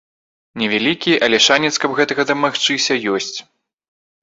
Невялікі, але шанец, каб гэтага дамагчыся, ёсць.